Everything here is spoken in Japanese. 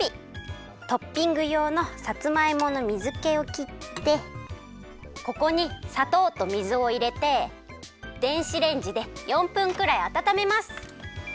トッピングようのさつまいもの水けをきってここにさとうと水をいれて電子レンジで４分くらいあたためます。